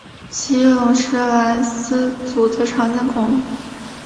奇异龙是兰斯组的常见恐龙。